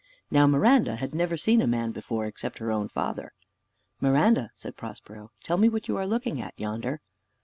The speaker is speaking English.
Now Miranda had never seen a man before, except her own father. "Miranda," said Prospero, "tell me what you are looking at yonder."